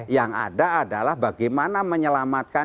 yang ada adalah bagaimana menyelamatkan